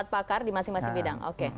empat pakar di masing masing bidang oke